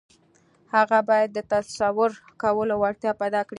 هغه بايد د تصور کولو وړتيا پيدا کړي.